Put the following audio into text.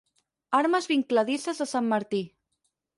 Armes vincladisses de sant Martí.